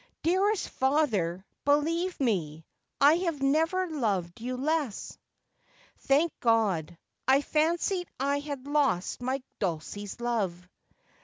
Dearest father, believe me, I have never loved you. less.' 'Thank God. I fancied I had lost my Dulcie's love.'